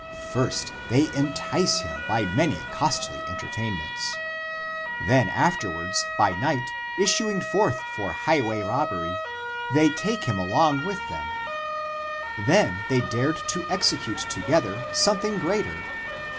First they entice him by many costly 1 Said to be Smyrna. ACTS OF JOHN I97 entertainments; then afterwards by night issuing forth for highway robbery, they take him along with them. Then they dared to execute together some thing greater.